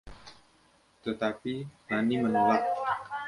Tetapi, Mani menolak.